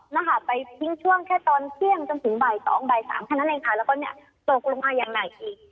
แล้วก็ไปพิ่งช่วงแค่ตอนเที่ยงจนถึงบ่าย๒๓ค่ะแล้วก็ตกลงมาอย่างไหนอีก